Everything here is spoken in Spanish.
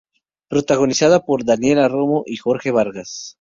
Protagonizada por Daniela Romo y Jorge Vargas.